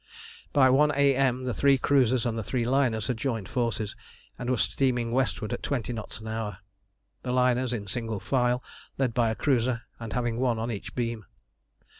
By one A.M. the three cruisers and the three liners had joined forces, and were steaming westward at twenty knots an hour, the liners in single file led by a cruiser, and having one on each beam.